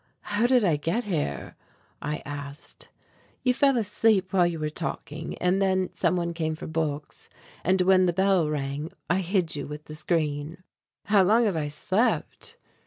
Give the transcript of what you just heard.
"How did I get here?" I asked. "You fell asleep while you were talking, and then some one came for books, and when the bell rang I hid you with the screen." "How long have I slept?"